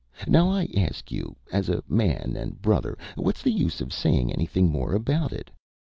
Now I ask you, as a man and brother, what's the use of saying anything more about it?